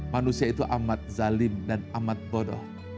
manusia itu amat zalim dan amat bodoh